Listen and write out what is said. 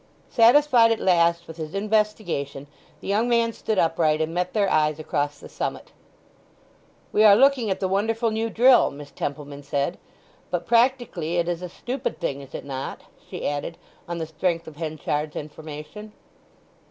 Satisfied at last with his investigation the young man stood upright, and met their eyes across the summit. "We are looking at the wonderful new drill," Miss Templeman said. "But practically it is a stupid thing—is it not?" she added, on the strength of Henchard's information.